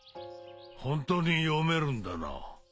本当に読めるんだな？